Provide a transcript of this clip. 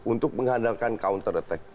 untuk mengandalkan counter attack